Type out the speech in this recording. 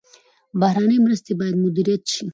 بهرنۍ مرستې باید مدیریت شي